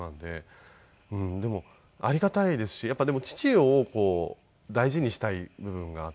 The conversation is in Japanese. でもありがたいですしやっぱりでも父を大事にしたい部分があって。